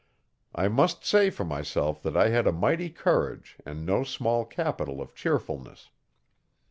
I must say for myself that I had a mighty courage and no small capital of cheerfulness.